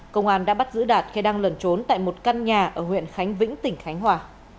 công an đã bắt giữ đạt khi đang lẩn trốn tại một căn nhà ở huyện khánh vĩnh tỉnh khánh hòa